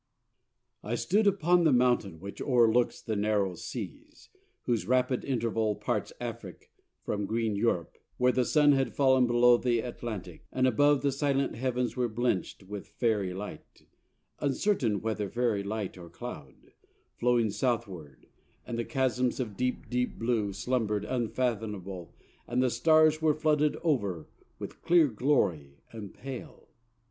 I stood upon the Mountain which o'erlooks The narrow seas, whose rapid interval Parts Afric from green Europe, when the Sun Had fall'n below th' Atlantick, and above The silent Heavens were blench'd with faery light, Uncertain whether faery light or cloud, Flowing Southward, and the chasms of deep, deep blue Slumber'd unfathomable, and the stars Were flooded over with clear glory and pale.